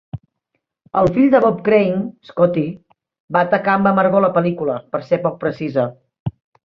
El fill de Bob Crane, Scotty, va atacar amb amargor la pel·lícula, per ser poc precisa.